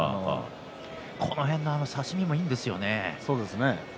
この辺りの差し身もいいですね。